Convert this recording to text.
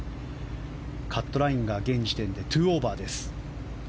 カットラインが現時点で２オーバーです。